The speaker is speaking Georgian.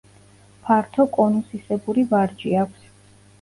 ფართო კონუსისებური ვარჯი აქვს.